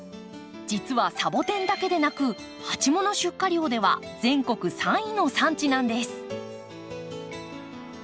実はサボテンだけでなく鉢物出荷量では全国３位の産地なんです。